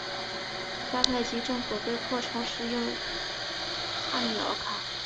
迦太基政府被迫重新起用哈米尔卡。